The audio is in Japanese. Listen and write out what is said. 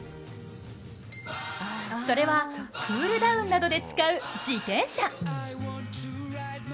それはクールダウンなどで使う自転車。